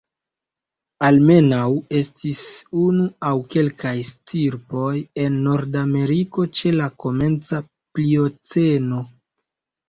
Almenaŭ estis unu aŭ kelkaj stirpoj en Nordameriko ĉe la komenca Plioceno.